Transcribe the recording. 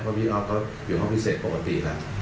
เพราะพี่ออฟก็อยู่ห้องพิเศษปกติล่ะ